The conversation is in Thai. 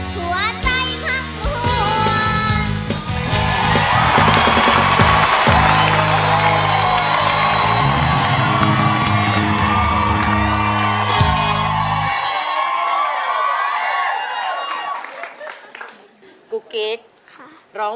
หัวใจพักห่วง